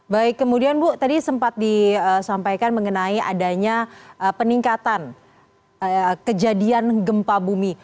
baik kemudian bu tadi sempat disampaikan mengenai adanya peningkatan kejadian gempa bumi